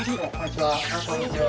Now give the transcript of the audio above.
こんにちは。